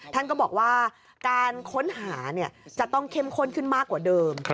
ท่านก็บอกว่าการค้นหาจะต้องเข้มข้นขึ้นมากกว่าเดิม